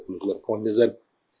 lực lượng công an nhân dân